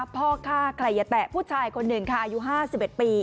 พ่อฆ่าใครยะแตะผู้ชายคนหนึ่งค่ะอายุ๕๑ปี